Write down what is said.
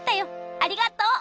ありがとう！